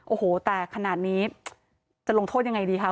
โอ้โหแต่ขนาดนี้จะลงโทษยังไงดีคะ